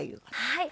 はい。